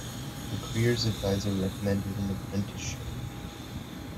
The careers adviser recommended an apprenticeship.